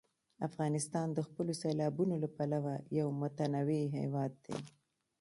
افغانستان د خپلو سیلابونو له پلوه یو متنوع هېواد دی.